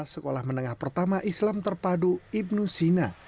sekolah menengah pertama islam terpadu ibnu sina